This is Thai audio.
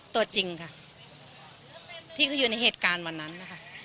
ตัวจริงค่ะที่เขาอยู่ในเหตุการณ์วันนั้นนะคะ